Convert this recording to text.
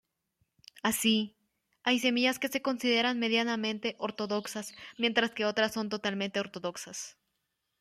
Así, hay semillas que se consideran medianamente ortodoxas mientras que otras son totalmente ortodoxas.